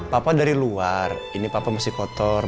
papa dari luar ini papa masih kotor